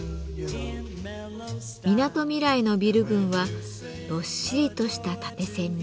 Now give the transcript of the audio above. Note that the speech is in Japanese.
みなとみらいのビル群はどっしりとした縦線に。